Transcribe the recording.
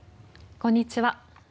こんにちは。